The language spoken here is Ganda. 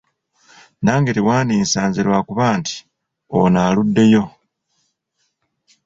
Nange tewandinsanze lw’akuba nti ono aluddeyo.